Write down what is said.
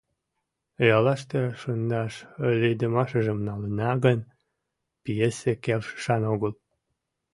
Яллаште шындаш лийдымашыжым налына гын, пьесе келшышан огыл.